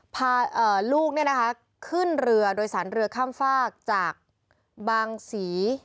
พาลูกขึ้นเรือโดยสารเรือข้ามฟากจากบางศรี